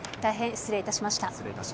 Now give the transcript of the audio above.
失礼いたしました。